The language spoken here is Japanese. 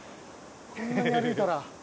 こんなに歩いたら。